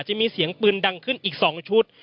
จะมีเสียงปืนดังขึ้นอีก๒ชุด